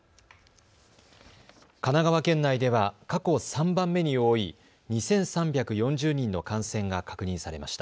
神奈川県内では過去３番目に多い２３４０人の感染が確認されました。